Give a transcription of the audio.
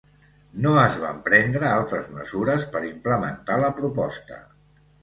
No es van prendre altres mesures per implementar la proposta.